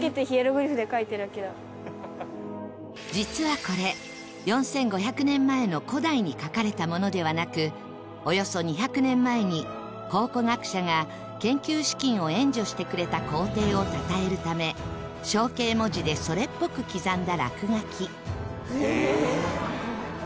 実はこれ４５００年前の古代に書かれたものではなくおよそ２００年前に考古学者が研究資金を援助してくれた皇帝をたたえるため象形文字でそれっぽく刻んだ落書き